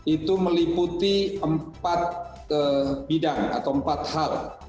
itu meliputi empat bidang atau empat hal